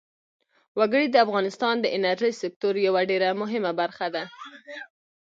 وګړي د افغانستان د انرژۍ سکتور یوه ډېره مهمه برخه ده.